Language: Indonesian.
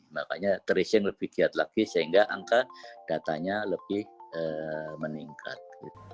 makanya tracing lebih giat lagi sehingga angka datanya lebih meningkat